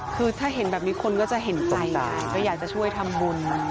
คือถ้าเห็นแบบนี้คนก็จะเห็นใจก็อยากจะช่วยทำบุญ